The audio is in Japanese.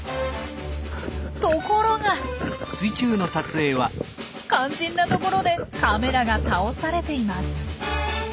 ところが肝心なところでカメラが倒されています。